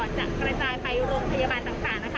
น้องติดตามดูนะคะว่าแผนการกระจายวัคซีนหลังจากนี้นะคะ